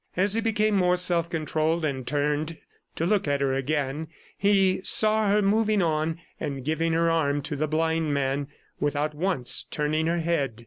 As he became more self controlled and turned to look at her again, he saw her moving on and giving her arm to the blind man, without once turning her head.